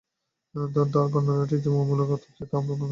তার বর্ণনাটি যে অমূলক, তাফসীরে তা আমরা বর্ণনা করেছি।